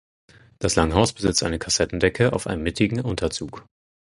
Das Langhaus besitzt eine Kassettendecke auf einem mittigen Unterzug.